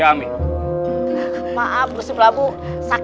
kakanda kakanda bilang mereka sakti